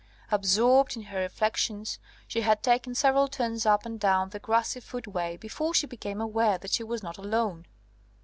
Absorbed in her reflections, she had taken several turns up and down the grassy footway before she became aware that she was not alone.